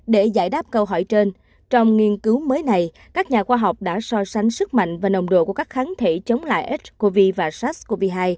để giải đáp câu hỏi trên trong nghiên cứu mới này các nhà khoa học đã so sánh sức mạnh và nồng độ của các kháng thể chống lại ncov và sars cov hai